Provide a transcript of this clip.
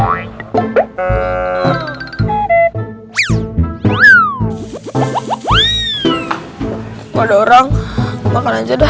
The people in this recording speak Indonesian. nggak ada orang makan aja dah